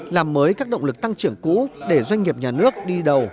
làm mới các động lực tăng trưởng cũ để doanh nghiệp nhà nước đi đầu